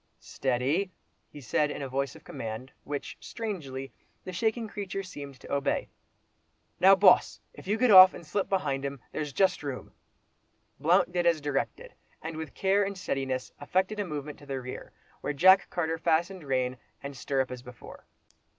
"Steady," he said in a voice of command, which, strangely, the shaking creature seemed to obey. "Now, Boss! you get off, and slip behind him—there's just room." Blount did as directed, and with care and steadiness, effected a movement to the rear, while Jack Carter fastened rein and stirrup as before.